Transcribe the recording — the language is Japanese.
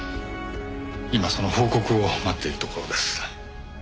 今その報告を待っているところです。